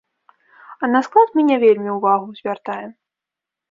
А на склад мы не вельмі ўвагу звяртаем.